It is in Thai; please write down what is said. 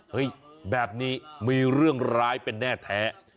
แบบนี้มีเรื่องร้ายเป็นแน่แท้